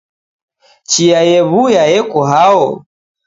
Chia yewuya yeko hao